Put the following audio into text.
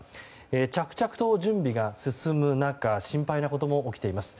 着々と準備が進む中心配なことも起きています。